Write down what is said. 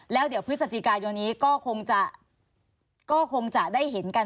แล้วเดี๋ยวพฤศจิกายนนี้ก็คงจะคงจะได้เห็นกัน